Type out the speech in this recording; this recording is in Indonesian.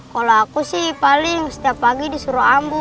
kalau aku sih paling setiap pagi disuruh ambu